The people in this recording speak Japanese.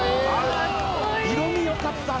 色みよかったな！